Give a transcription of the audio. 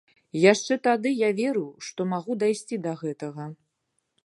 Яшчэ тады я верыў, што магу дайсці да гэтага.